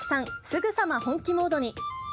すぐさま本気モードに。